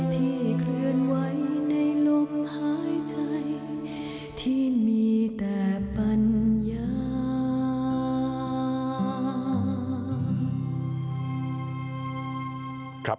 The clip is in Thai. ที่เคลื่อนไว้ในลมหายใจที่มีแต่ปัญญา